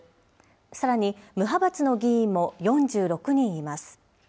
さらに無派閥の議員も４６人います。